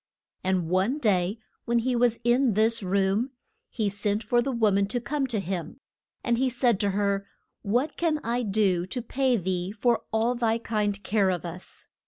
And one day when he was in this room, he sent for the wo man to come to him. And he said to her, What can I do to pay thee for all thy kind care of us?